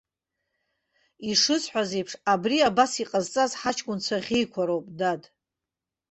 Ишысҳәаз еиԥш, абри абас иҟазҵаз ҳаҷкәынцәа ӷьеҩқәа роуп, дад.